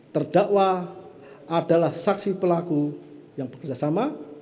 terdakwa adalah saksi pelaku yang bekerjasama